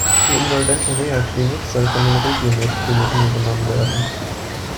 Die insolvente Reha-Klinik soll von den Regiomed-Kliniken übernommen werden.